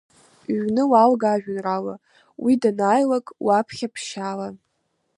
Иҩны уалга ажәеинраала, уи данааилак уаԥхь ԥшьаала…